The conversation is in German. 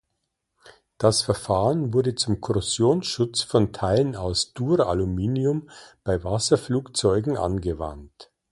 Das Verfahren wurde zum Korrosionsschutz von Teilen aus Duraluminium bei Wasserflugzeugen angewandt.